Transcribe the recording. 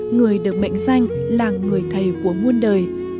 người được mệnh danh là người thầy của muôn đời